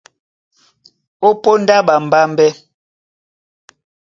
Ó póndá ɓambámbɛ́,